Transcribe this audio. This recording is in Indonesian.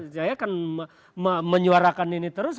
saya akan menyuarakan ini terus